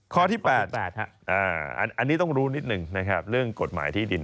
ข้อที่๘๘อันนี้ต้องรู้นิดนึงนะครับเรื่องกฎหมายที่ดิน